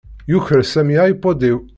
Yuker Sami iPod-iw.